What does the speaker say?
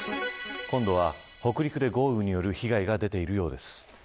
今度は北陸で豪雨による被害が出ているようです。